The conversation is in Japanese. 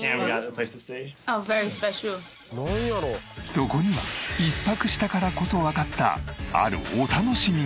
そこには１泊したからこそわかったあるお楽しみが。